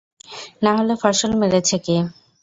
নাহলে ফসল মেরেছে কে?